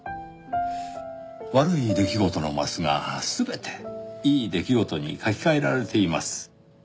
悪い出来事のマスが全ていい出来事に書き換えられています。